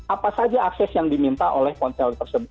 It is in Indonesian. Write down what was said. apa saja akses yang diminta oleh ponsel tersebut